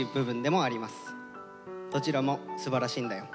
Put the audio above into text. どちらもすばらしいんだよ。